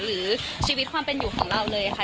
หรือชีวิตความเป็นอยู่ของเราเลยค่ะ